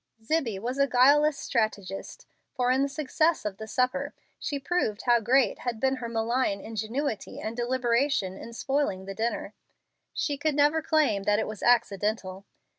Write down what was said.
Zibbie was a guileless strategist, for in the success of the supper she proved how great had been her malign ingenuity and deliberation in spoiling the dinner. She could never claim that it was accidental.